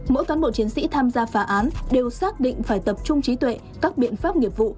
mỗi cán bộ chiến sĩ tham gia phá án đều xác định phải tập trung trí tuệ các biện pháp nghiệp vụ